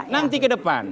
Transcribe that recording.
nanti ke depan